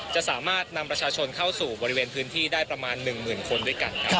จะสามารถนำประชาชนเข้าสู่บริเวณพื้นที่ได้ประมาณ๑๐๐๐คนด้วยกันครับ